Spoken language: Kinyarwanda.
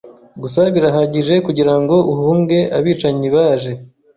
Gusa birahagije kugirango uhunge abicanyi baje